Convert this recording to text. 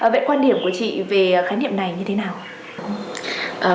vậy quan điểm của chị về khái niệm này như thế nào